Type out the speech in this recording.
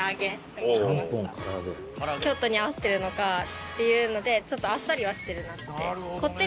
京都に合わせてるのかっていうのでちょっとあっさりはしてるなって。